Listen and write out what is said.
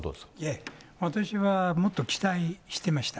私はもっと期待してました。